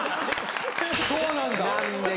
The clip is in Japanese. そうなんだ。